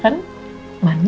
manis kan hasilnya